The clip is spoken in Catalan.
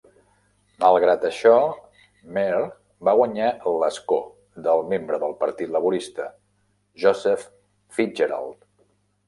Malgrat això, Mair va guanyar l'escó del membre del partit laborista, Joseph Fitzgerald.